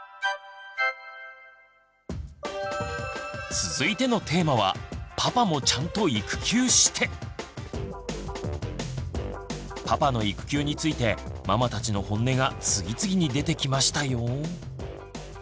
続いてのテーマはパパの育休についてママたちの本音が次々に出てきましたよ。